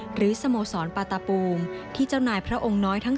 สโมสรปาตาปูมที่เจ้านายพระองค์น้อยทั้ง๓